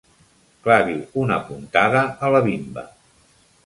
Clavi una puntada a la bimba.